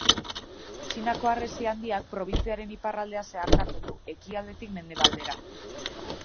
Txinako Harresi Handiak, probintziaren iparraldea zeharkatzen du, ekialdetik mendebaldera.